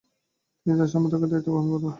তিনি তার সম্পাদকের দায়িত্ব গ্রহণ করেন।